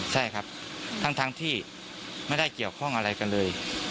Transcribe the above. ใช่ครับทั้งที่ไม่ได้เกี่ยวข้องอะไรกันเลย